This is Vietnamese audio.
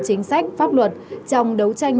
chính sách pháp luật trong đấu tranh